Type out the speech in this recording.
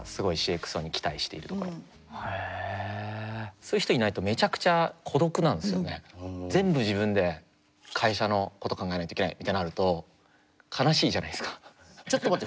そういう人いないとめちゃくちゃ全部自分で会社のこと考えないといけないみたいになるとちょっと待って。